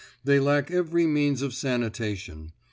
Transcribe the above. They lack every means of sanitation.